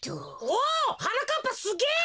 おはなかっぱすげえ！